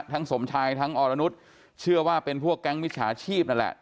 สมชายทั้งอรนุษย์เชื่อว่าเป็นพวกแก๊งมิจฉาชีพนั่นแหละ